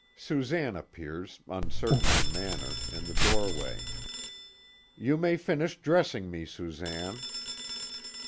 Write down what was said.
Susanne appears, uncertain in manner, in the doorway. "You may finish dressing me, Susanne."